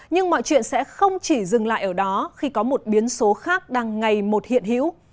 nhưng mọi chuyện sẽ không chỉ dừng lại ở đó khi có một biến số khác đang ngày một hiện hữu